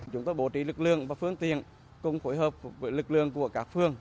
chúng tôi bố trí lực lượng và phương tiện cùng phối hợp với lực lượng của các phương